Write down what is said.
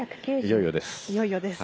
はいいよいよです。